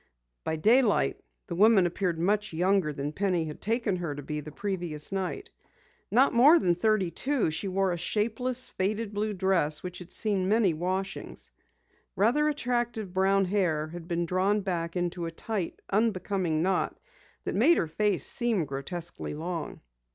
By daylight the woman appeared much younger than Penny had taken her to be the previous night. Not more than thirty two, she wore a shapeless, faded blue dress which had seen many washings. Rather attractive brown hair had been drawn back into a tight, unbecoming knot that made her face seem grotesquely long.